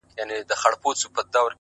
هوښیار انسان د احساساتو لار سموي،